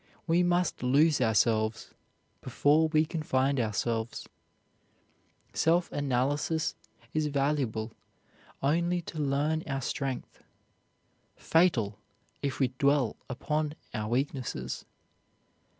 We must lose ourselves before we can find ourselves. Self analysis is valuable only to learn our strength; fatal, if we dwell upon our weaknesses.